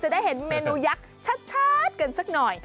ได้เห็นเมนูยักษ์ชัดกันสักหน่อย